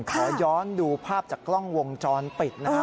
ขอย้อนดูภาพจากกล้องวงจรปิดนะฮะ